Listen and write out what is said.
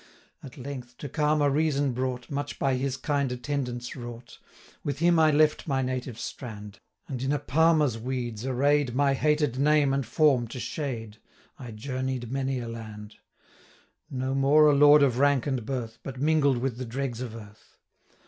At length, to calmer reason brought, Much by his kind attendance wrought, 190 With him I left my native strand, And, in a Palmer's weeds array'd My hated name and form to shade, I journey'd many a land; No more a lord of rank and birth, 195 But mingled with the dregs of earth.